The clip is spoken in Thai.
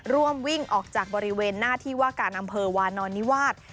วิ่งออกจากบริเวณหน้าที่ว่าการอำเภอวานอนนิวาส